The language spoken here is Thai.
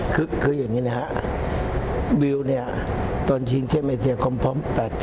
คืออย่างนี้นะฮะวิวเนี่ยตอนชิงชะเบสเชียคงพร้อม๘๕